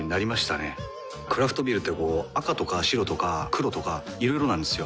クラフトビールってこう赤とか白とか黒とかいろいろなんですよ。